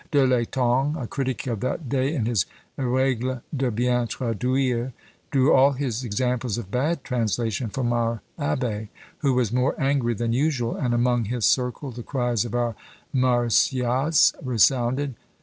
De l'Etang, a critic of that day, in his "RÃẀgles de bien traduire," drew all his examples of bad translation from our abbé, who was more angry than usual, and among his circle the cries of our Marsyas resounded.